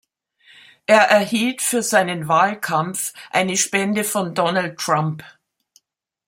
Er erhielt für seinen Wahlkampf eine Spende von Donald Trump.